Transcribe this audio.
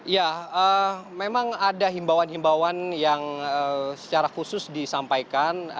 ya memang ada himbauan himbauan yang secara khusus disampaikan